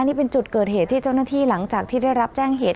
นี่เป็นจุดเกิดเหตุที่เจ้าหน้าที่หลังจากที่ได้รับแจ้งเหตุ